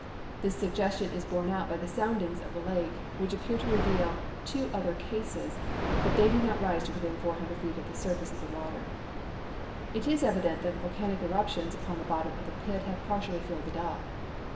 This sug gestion is borne out by the soundings of the lake, which appear to reveal two other cases, but they do not rise to within 400 feet of the surface of the water. It is evident that the volcanic eruptions upon the bottom of the pit have partially filled it up.